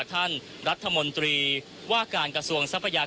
คุณทัศนาควดทองเลยค่ะ